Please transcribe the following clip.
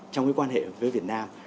trong cái quan hệ với việt nam